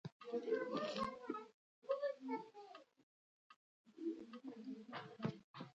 افغانان په ژمنه وفا کوي.